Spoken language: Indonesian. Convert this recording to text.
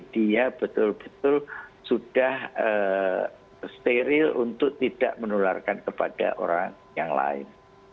dia betul betul sudah steril untuk tidak menularkan kepada orang yang lain